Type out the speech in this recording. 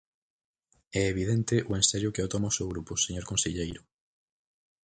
É evidente o en serio que o toma o seu grupo, señor conselleiro.